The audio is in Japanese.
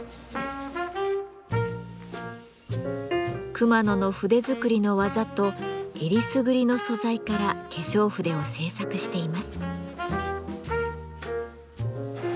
熊野の筆作りの技とえりすぐりの素材から化粧筆を製作しています。